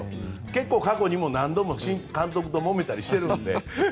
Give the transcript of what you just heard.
結構、過去にも何度も監督ともめたりしているんで。